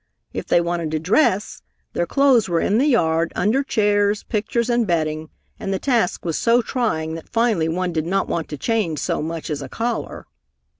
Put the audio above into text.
If they wanted to dress, their clothes were in the yard, under chairs, pictures and bedding, and the task was so trying that finally one did not want to change so much as a collar.